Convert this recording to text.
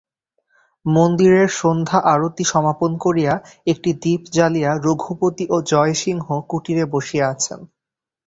মন্দিরের সন্ধ্যা-আরতি সমাপন করিয়া একটি দীপ জ্বালিয়া রঘুপতি ও জয়সিংহ কুটিরে বসিয়া আছেন।